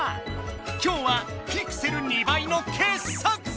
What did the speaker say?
今日はピクセル２倍の傑作選！